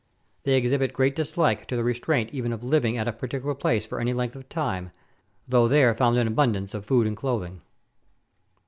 They exhibit great dislike to the restraint even of living at a particular place for any length of time, though there found in abundance of food and clothing.